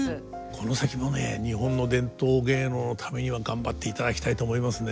この先もね日本の伝統芸能のためには頑張っていただきたいと思いますね。